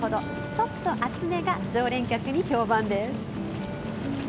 ちょっと熱めが常連客に評判です。